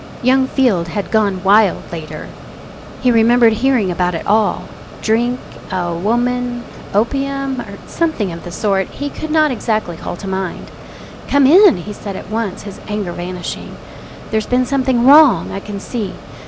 Young Field had gone wild later, he remembered hearing about it all drink, a woman, opium, or something of the sort he could not exactly call to mind. "Come in," he said at once, his anger vanishing. "There's been something wrong, I can see.